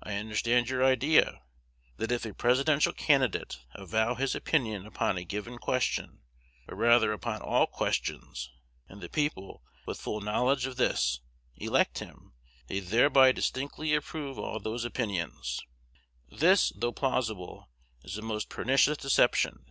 I understand your idea, that if a Presidential candidate avow his opinion upon a given question, or rather upon all questions, and the people, with full knowledge of this, elect him, they thereby distinctly approve all those opinions. This, though plausible, is a most pernicious deception.